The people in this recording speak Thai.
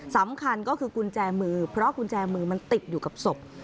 สำคัญก็คือกุญแจมือเพราะกุญแจมือมันติดอยู่กับศพ